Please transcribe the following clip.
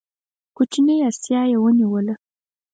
کوچنۍ اسیا یې ونیوله.